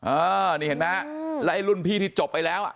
เออนี่เห็นไหมฮะแล้วไอ้รุ่นพี่ที่จบไปแล้ว